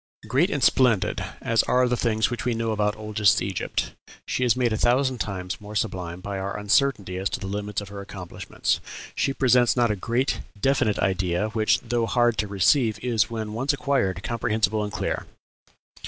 "Great and splendid as are the things which we know about oldest Egypt, she is made a thousand times more sublime by our uncertainty as to the limits of her accomplishments. She presents not a great, definite idea, which, though hard to receive, is, when once acquired, comprehensible and clear.